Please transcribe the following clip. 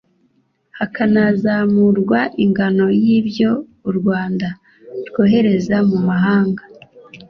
hakanazamurwa ingano y’ibyo u Rwanda rwohereza mu mahanga